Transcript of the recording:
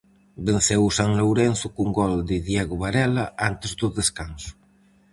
Venceu o San Lourenzo cun gol de Diego Varela antes do descanso.